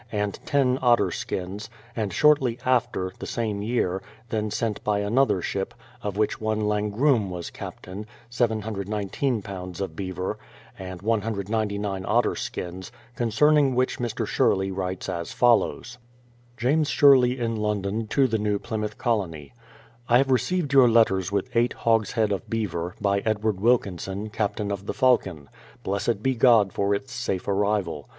and 10 otter skins; and shortly after, the same year, then sent by another ship, of which one Langrume was captain, 719 lbs. of beaver, and 199 otter skins, concerning which Mr. Sherley writes as follows. James Sherley in London to the New Plymouth Colony: I have received your letters with eight hogshead of beaver, by Edward Wilkinson, captain of the Falcon. Blessed be God for its safe arrival.